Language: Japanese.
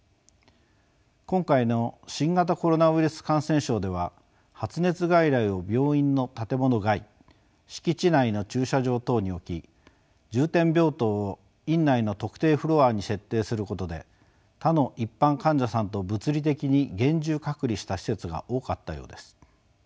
今回の新型コロナウイルス感染症では発熱外来を病院の建物外敷地内の駐車場等に置き重点病棟を院内の特定フロアに設定することで他の一般患者さんと物理的に厳重隔離した施設が多かったようです。